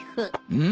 うん。